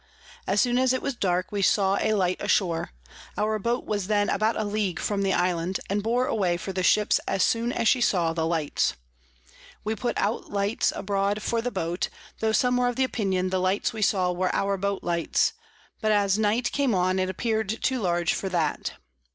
As soon as it was dark, we saw a Light ashore; our Boat was then about a League from the Island, and bore away for the Ships as soon as she saw the Lights. We put out Lights abroad for the Boat, tho some were of opinion the Lights we saw were our Boats Lights; but as Night came on, it appear'd too large for that.